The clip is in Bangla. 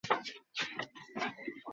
আমার পরের শিকার হলো পাজলের সবচেয়ে বড় অংশ।